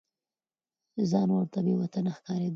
ځان ورته بې وطنه ښکارېده.